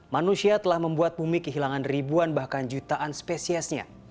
manusia telah membuat bumi kehilangan ribuan bahkan jutaan spesiesnya